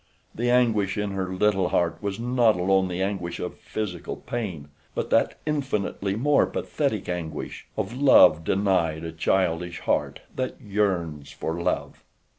The anguish in her little heart was not alone the anguish of physical pain; but that infinitely more pathetic anguish—of love denied a childish heart that yearns for love.